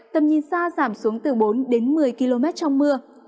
tầm nhìn xa giảm xuống từ bốn đến một mươi km trong mưa